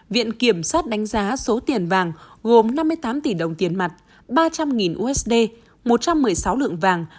viện kiểm sát đánh giá số tiền vàng gồm năm mươi tám tỷ đồng tiền mặt ba trăm linh usd một trăm một mươi sáu lượng vàng